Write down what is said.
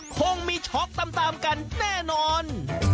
คงมีช็อกตามกันแน่นอน